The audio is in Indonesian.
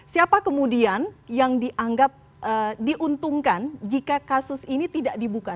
siapa kemudian yang dianggap diuntungkan jika kasus ini tidak dibuka